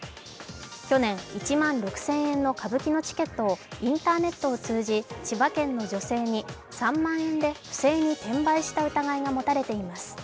去年、１万６０００円の歌舞伎のチケットをインターネットを通じ千葉県の女性に３万円で不正に転売した疑いが持たれています。